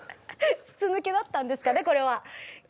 筒抜けだったんですかねこれは。